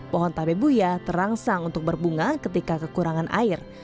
pohon tabebuya terangsang untuk berbunga ketika kekurangan air